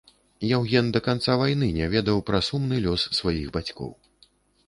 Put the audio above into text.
Яўген да канца вайны не ведаў пра сумны лёс сваіх бацькоў.